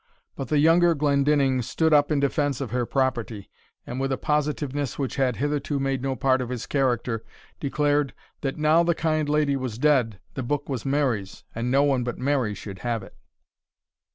But the younger Glendinning stood up in defence of her property, and, with a positiveness which had hitherto made no part of his character, declared, that now the kind lady was dead, the book was Mary's, and no one but Mary should have it.